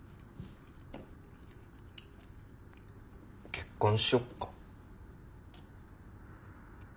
結婚しよっか。